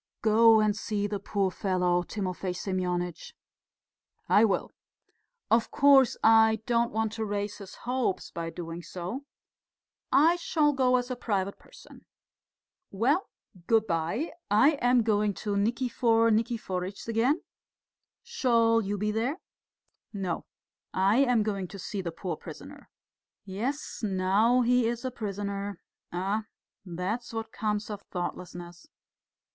"Go and see the poor fellow, Timofey Semyonitch." "I will. Of course, I don't want to raise his hopes by doing so. I shall go as a private person.... Well, good bye, I am going to Nikifor Nikiforitch's again: shall you be there?" "No, I am going to see the poor prisoner." "Yes, now he is a prisoner!... Ah, that's what comes of thoughtlessness!"